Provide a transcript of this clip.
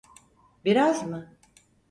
Biraz mı?